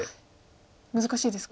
難しいですか。